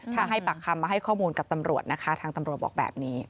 ถ้าให้ปากคำมาให้ข้อมูลกับตำรวจนะคะทางตำรวจบอกแบบนี้